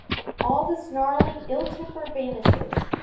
All the snarling ill temper vanishes.